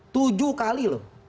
tujuh kali loh